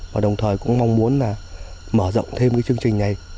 và đồng thời cũng mong muốn là mở rộng thêm cái chương trình này